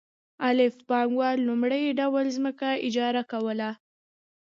الف پانګوال لومړی ډول ځمکه اجاره کوي